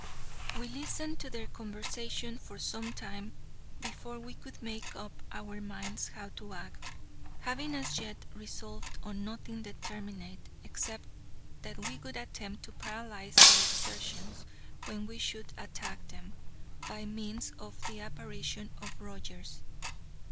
We listened to their conversation for some time before we could make up our minds how to act, having as yet resolved on nothing determinate, except that we would attempt to paralyze their exertions, when we should attack them, by means of the apparition of Rogers.